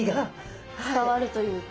伝わるというか。